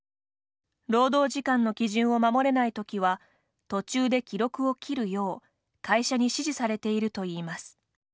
労働時間の基準を守れないときは途中で記録を切るよう会社に指示されているといいます。